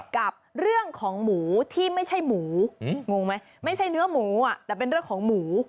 กับเรื่องของหมูที่ไม่ใช่หมูงงไหมไม่ใช่เนื้อหมูอ่ะแต่เป็นเรื่องของหมู